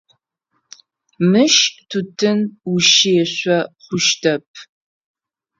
Мыщ тутын ущешъо хъущэп.